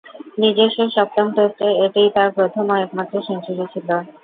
নিজস্ব সপ্তম টেস্টে এটিই তার প্রথম ও একমাত্র সেঞ্চুরি ছিল।